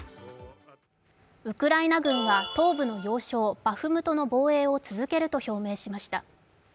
ウクライナ軍は東部の要衝バフムトの防衛を続けると発表しました。